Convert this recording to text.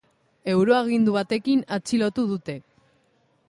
Euroagindu batekin atxilotu dute.